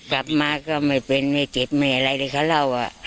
กลับมาก็ไม่เป็นไม่เจ็บไม่อะไรที่เขาเล่า